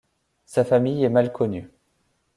Sa famille est mal connue.